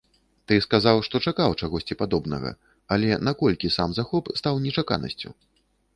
Ты сказаў, што чакаў чагосьці падобнага, але наколькі сам захоп стаў нечаканасцю?